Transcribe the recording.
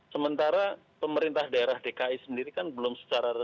sementara pemerintah daerah dki sendiri kan belum secara resmi